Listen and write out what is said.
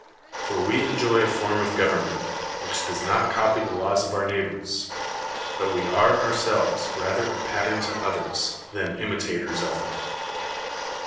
For we enjoy a form of government which does not copy the laws of our neighbors; but wo are ourselves rather a pattern to others than 17 THE WORLD'S FAMOUS ORATIONS imitators of them.